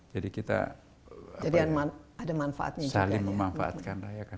jadi kita saling memanfaatkan